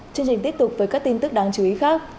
chương trình tiếp tục với các tin tức đáng chú ý khác